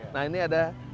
nah ini ada